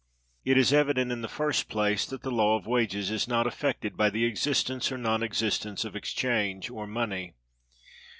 It is evident, in the first place, that the law of wages is not affected by the existence or non existence of exchange or money.